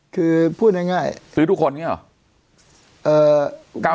คือพูดง่ายซื้อทุกคนเนี่ยอ่ะ